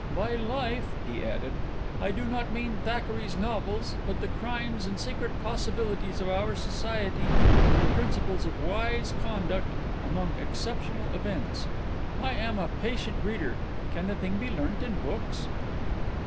By life," he added, "I do not mean Thackeray's novels; but the crimes and secret possibilities of our society, and the principles of wise conduct among exceptional events. I am a patient reader; can the thing be learnt in books?"